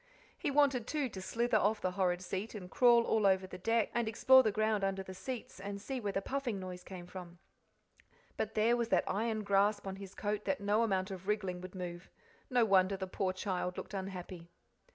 He wanted, too, to slither off the horrid seat, and crawl all over the deck, and explore the ground under the seats, and see where the puffing noise came from; but there was that iron grasp on his coat that no amount of wriggling would move. No wonder the poor child looked unhappy!